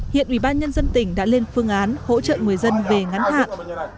hiện ủy ban nhân dân tỉnh đã lên phương án hỗ trợ người dân về ngắn hạn